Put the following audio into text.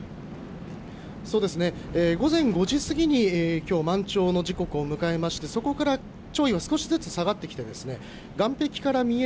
午前５時過ぎにきょう満潮の時刻を迎えましてそこから潮位少しずつ下がってきたんですね。